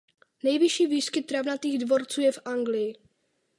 Nejvyšší výskyt travnatých dvorců je v Anglii.